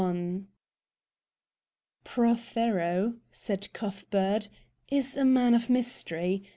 II "Prothero," said Cuthbert, "is a man of mystery.